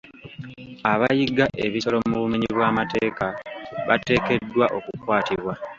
Abayigga ebisolo mu bumennyi bw'amateeka bateekeddwa okukwatibwa.